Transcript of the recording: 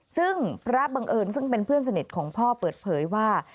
ซึ่งพระบังเอิญซึ่งเป็นเพื่อนสนิทของพ่อเปิดเผยว่า